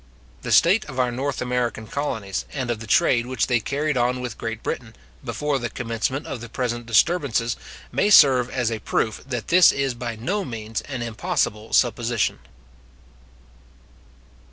The state of our North American colonies, and of the trade which they carried on with Great Britain, before the commencement of the present disturbances, {This paragraph was written in the year 1775.} may serve as a proof that this is by no means an impossible supposition.